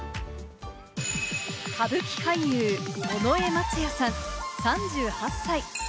歌舞伎俳優、尾上松也さん、３８歳。